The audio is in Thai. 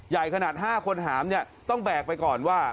ใหญ่ขนาด๕คนหามเนี่ยต้องแบกไปก่อนว่า